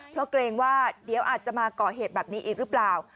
เพราะเกรงว่าเดี๋ยวอาจจะมาก่อเหตุแบบนี้อีกหรือเปล่า